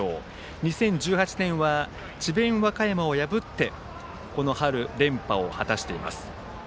２０１８年は智弁和歌山を破ってこの春連覇を果たしています。